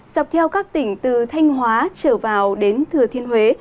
dọc theo các tỉnh từ thanh hóa trở vào đến thừa thiên huế